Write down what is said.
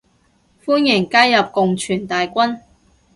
歡迎加入共存大軍